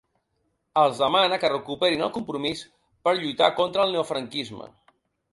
Els demana que recuperin el compromís per ‘lluitar contra el neofranquisme’.